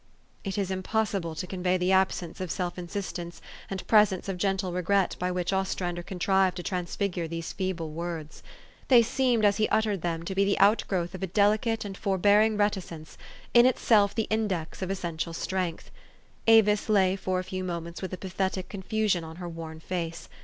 It is impossible to convey the absence of self insistence and presence of gentle regret by which Ostrander contrived to transfigure these feeble words : they seemed, as he uttered them, to be the outgrowth of a delicate and forbearing reticence, in itself the index of essential strength. Avis lay for a few moments with a pathetic confusion on her worn face.